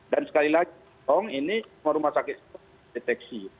dan sekali lagi ini rumah sakit itu deteksi